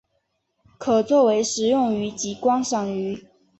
可做为食用鱼及观赏鱼。